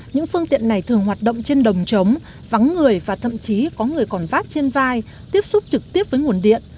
những phương tiện này thường hoạt động trên đồng trống vắng người và thậm chí có người còn vác trên vai tiếp xúc trực tiếp với nguồn điện